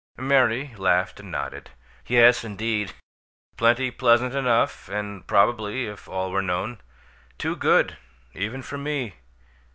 Mary laughed and nodded. "Yes, indeed! Plenty pleasant enough, and probably, if all were known, too good even for me!"